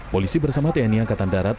polisi bersama tni angkatan darat